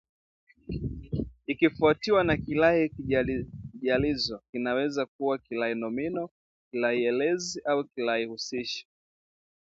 Ikifuatiwa na kirai kijalizo kinaweza kuwa kirai nomino, kirai elezi au kirai husishi